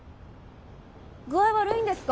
具合悪いんですか？